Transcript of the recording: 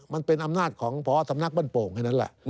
มันเป็นอำนาจของพอสำนักบ้านโป่งแค่นั้นแหละ